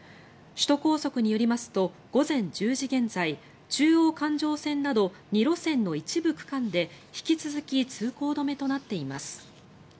首都高速によりますと午前１０時現在、中央環状線など２路線の一部区間で、引き続き通行止めとなっています。